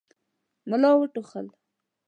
ملا وټوخل.